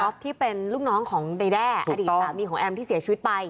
ที่เป็นลูกน้องของในแด้อดีตสามีของแอมที่เสียชีวิตไป